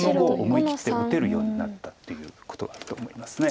思い切って打てるようになったっていうことだと思います。